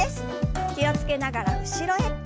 気を付けながら後ろへ。